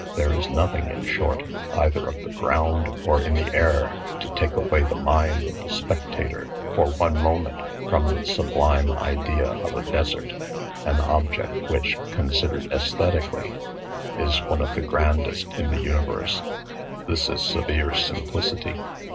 There is nothing, in short, either on the ground or in the air, to take away the mind of the spectator, for one moment, from the sublime idea of a desert an object which, considered aesthetically, is one of the grandest in the universe. This is severe simplicity.